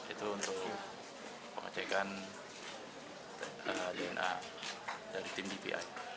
itu untuk pengecekan dna dari tim dvi